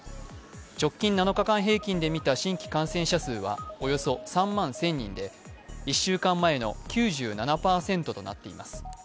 直近７日間平均でみた新規感染者数はおよそ３万１０００人で１週間前の９７％となっています。